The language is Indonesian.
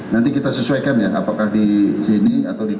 nanti kita sesuaikan ya apakah di sini atau di